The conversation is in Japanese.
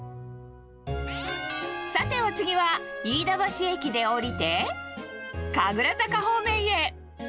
さてお次は、飯田橋駅で降りて、神楽坂方面へ。